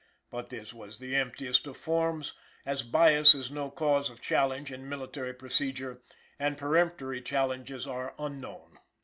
But this was the emptiest of forms, as bias is no cause of challenge in military procedure, and peremptory challenges are unknown.